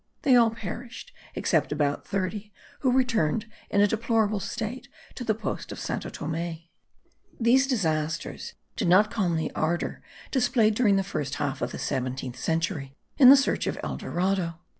They all perished; except about thirty, who returned in a deplorable state to the post of Santo Thome. These disasters did not calm the ardour displayed during the first half of the 17th century in the search of El Dorado.